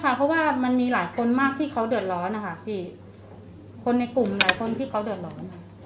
เพราะว่ามันมีหลายคนมากที่เขาเดือดร้อนนะคะพี่คนในกลุ่มหลายคนที่เขาเดือดร้อน